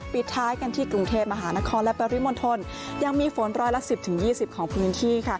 ปิดท้ายกันที่กรุงเทพมหานครและปริมณฑลยังมีฝนร้อยละ๑๐๒๐ของพื้นที่